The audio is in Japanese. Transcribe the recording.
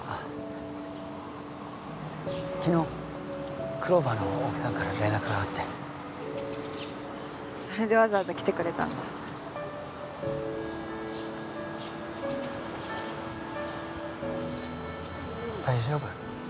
昨日クローバーの奥さんから連絡があってそれでわざわざ来てくれたんだ大丈夫？